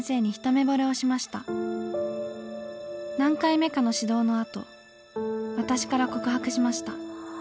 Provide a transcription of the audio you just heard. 何回目かの指導のあと私から告白しました。